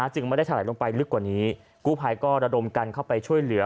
จึงไม่ได้ถลายลงไปลึกกว่านี้กู้ภัยก็ระดมกันเข้าไปช่วยเหลือ